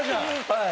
はい。